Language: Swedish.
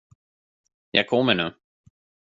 Jag kommer nu.